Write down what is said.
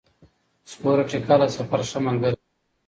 سپوره ټکله د سفر ښه ملګری دی.